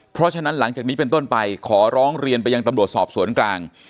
เพราะฉะนั้นหลังจากนี้เป็นต้นไปขอร้องเรียนไปยังตำรวจสอบสวนกลาง